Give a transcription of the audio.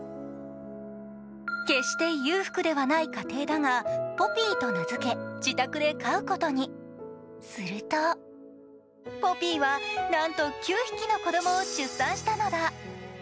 決して裕福ではない家庭だが、ポピーと名付け自宅で飼うことに、すると、ポピーはなんと９匹の子供を出産したのだ。